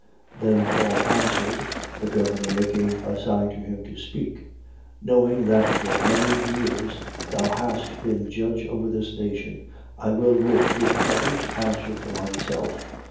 24:10. Then Paul answered (the governor making a sign to him to speak): Knowing that for many years thou hast been judge over this nation, I will with good courage answer for myself.